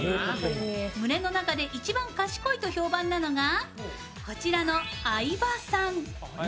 群れの中で一番賢いと評判なのがこちらの相葉さん。